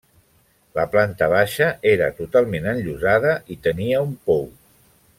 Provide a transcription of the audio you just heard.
La planta baixa era totalment enllosada i tenia un pou.